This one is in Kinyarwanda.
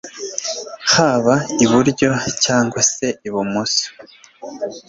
haba iburyo cyangwa se ibumoso